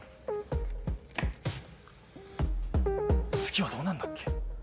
次はどうなんだっけ？